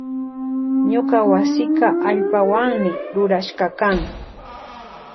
Ñuka wasika allpawanmi rurashkakan.